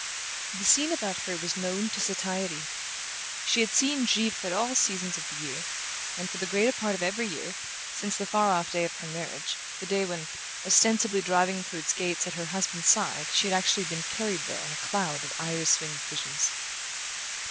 The scene about her was known to satiety. She had seen Givre at all seasons of the year, and for the greater part of every year, since the far off day of her marriage; the day when, ostensibly driving through its gates at her husband's side, she had actually been carried there on a cloud of iris winged visions.